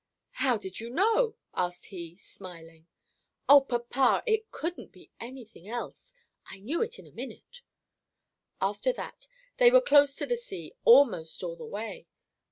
"How did you know?" asked he, smiling. "Oh, papa, it couldn't be any thing else. I knew it in a minute." After that, they were close to the sea almost all the way.